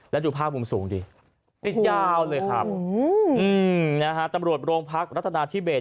แล้วดูภาพมุมสูงดิติดยาวเลยครับนะฮะตำรวจโรงพักรัฐนาธิเบส